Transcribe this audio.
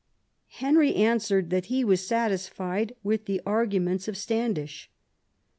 Henry answered that he was satisfied with the arguments of Standish.